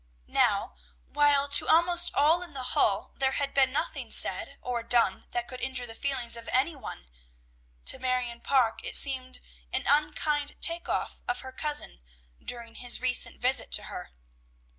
Now, while to almost all in the hall there had been nothing said or done that could injure the feelings of any one, to Marion Parke it seemed an unkind take off of her cousin during his recent visit to her.